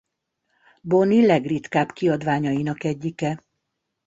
Bonnie legritkább kiadványainak egyike.